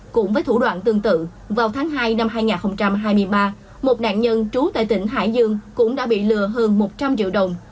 cũng với thủ đoạn tương tự vào tháng hai năm hai nghìn hai mươi ba một nạn nhân trú tại tỉnh hải dương cũng đã bị lừa hơn một trăm linh triệu đồng